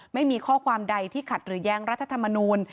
ไม่มีข้อความใดที่ขัดหรือแย้งรัฐธรรมนูล